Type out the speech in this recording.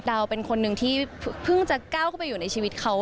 เป็นคนนึงที่เพิ่งจะก้าวเข้าไปอยู่ในชีวิตเขา